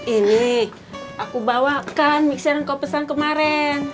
ini aku bawakan mixer yang kau pesan kemarin